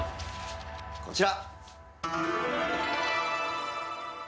こちら！